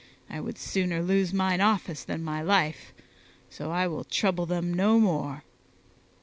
I would sooner lose mine office than my life, so I will trouble them no more."